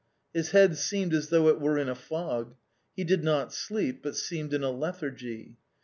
His head seemed as though it were in a fog. He did not sleep, but seemed in a lethargy.